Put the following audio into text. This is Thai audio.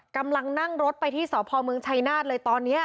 กำลังนั่งรถไปที่สพเมืองชัยนาฏเลยตอนนี้